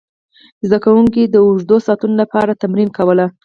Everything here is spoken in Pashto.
زده کوونکي د اوږدو ساعتونو لپاره تمرین کول.